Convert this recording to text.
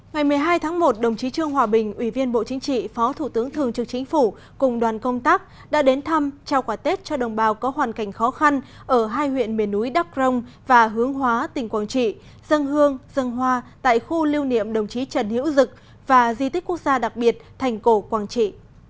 ngày một mươi hai tháng một đồng chí trương hòa bình ủy viên bộ chính trị phó thủ tướng thường trực chính phủ cùng đoàn công tác đã đến thăm trao quả tết cho đồng bào có hoàn cảnh khó khăn ở hai huyện miền núi đắk rông và hướng hóa tỉnh quảng trị dân hương dân hoa tại khu lưu niệm đồng chí trần hiễu dực và di tích quốc gia đặc biệt thành cổ quảng trị